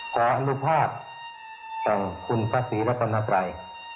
พออนุภาพของคุณภาษีละบนปรัย